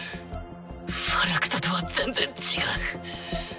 ファラクトとは全然違う。